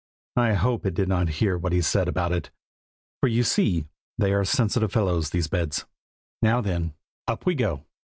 I hope it did not hear what he said about it, for you see they are sensitive fellows, these beds. Now then, up we go!